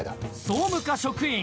総務課職員。